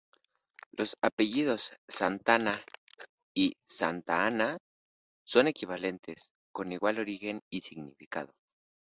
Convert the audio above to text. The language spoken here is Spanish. Los apellidos "Santana" y "Santa Ana" son equivalentes con igual origen y significado.